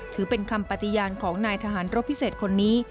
ถือเป็นคำปฏิญาณของนายทหารรบพิเศษคนนี้